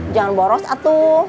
jangan boros atu